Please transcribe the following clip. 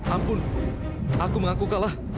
ampun aku mengaku kalah